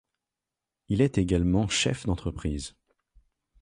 Il est également chef d'entreprise.